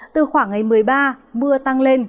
từ khoảng ngày một mươi ba mưa tăng lên